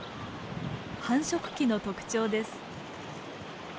繁殖期の特徴です。